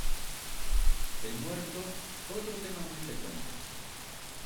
El muerto fue otro tema muy frecuente.